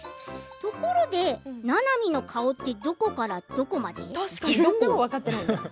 ところで、ななみの顔ってどこからどこまで？